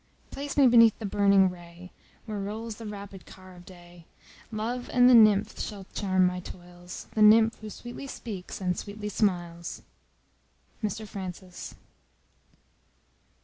Place me beneath the burning ray, Where rolls the rapid car of day; Love and the nymph shall charm my toils, The nymph who sweetly speaks, and sweetly smiles. MR FRANCIS.